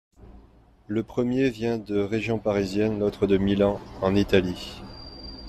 Le premier vient de région parisienne, l’autre de Milan, en Italie.